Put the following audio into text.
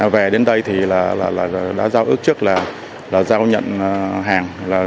về đến đây thì là đã giao ước trước là giao nhận hàng